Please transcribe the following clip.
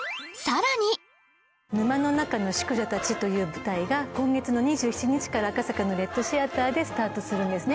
『沼の中の淑女たち』という舞台が今月の２７日から赤坂のレッドシアターでスタートするんですね。